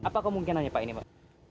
apa kemungkinannya pak ini pak